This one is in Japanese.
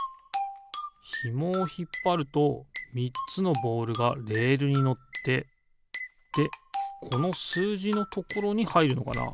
ひもをひっぱると３つのボールがレールにのってでこのすうじのところにはいるのかな？